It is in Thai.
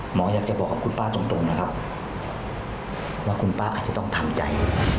อยากจะบอกกับคุณป้าตรงนะครับว่าคุณป้าอาจจะต้องทำใจ